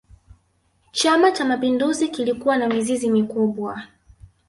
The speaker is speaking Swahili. chama cha mapinduzi kilikuwa na mizizi mikubwa